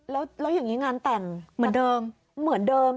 แล้วอย่างนี้งานแต่งเหมือนเดิม